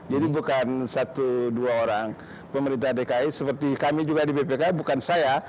jadi bukan satu dua orang pemerintah dki seperti kami juga di ppk bukan saya